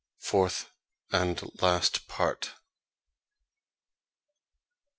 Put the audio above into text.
FOURTH AND LAST PART.